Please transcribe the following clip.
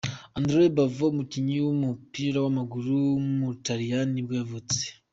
Andrea Bovo, umukinnyi w’umupira w’amaguru w’umutaliyani nibwo yavutse.